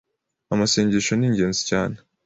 Amasengesho ni ingenzi cyane